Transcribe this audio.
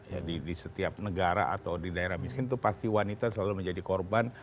jadi di setiap negara atau di daerah miskin itu pasti wanita selalu menjadi korban